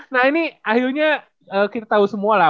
nah ini akhirnya kita tahu semua lah